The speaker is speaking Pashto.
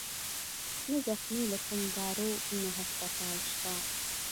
نه زخمى له کوم دارو نه هسپتال شت